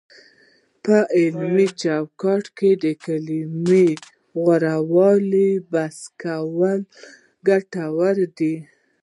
په علمي چوکاټ کې د کلمو د غوره والي بحث کول ګټور دی،